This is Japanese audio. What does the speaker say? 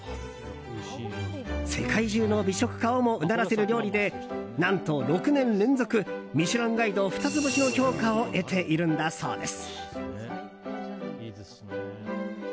世界中の美食家をもうならせる料理で何と６年連続「ミシュランガイド」二つ星の評価を得ているんだそうです。